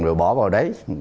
rồi bỏ vào đấy